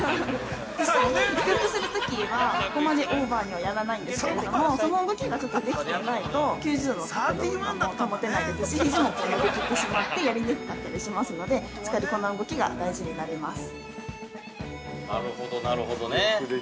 実際にスクープするときには、ここまでオーバーにはやらないんですけれども、その動きができていないと、９０度の角度とかも保てないですしひじも伸びきってしまってやりにくかったりしますのでこの動きが大事になります。